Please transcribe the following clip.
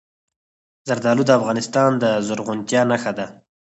زردالو د افغانستان د زرغونتیا نښه ده.